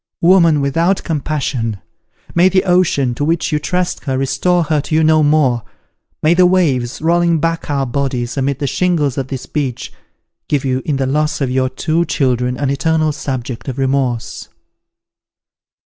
woman without compassion! may the ocean, to which you trust her, restore her to you no more! May the waves, rolling back our bodies amid the shingles of this beach, give you in the loss of your two children, an eternal subject of remorse!"